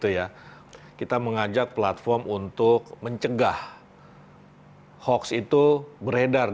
dimana ke dua genau ke satu eriman sejak butuh kamu untuk melihat hadapan ke dua eriman katakant dividemen luar dper collections ke dua eriman sejak mendengar tentang k listened by gen z